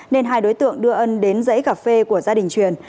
nên hai đối tượng đưa ân đến dãy cà phê của gia đình truyền